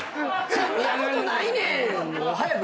「そんなことないねん！」早く。